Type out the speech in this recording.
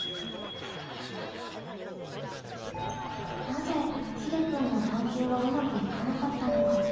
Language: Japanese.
なぜひでくんの探究はうまくいかなかったのか？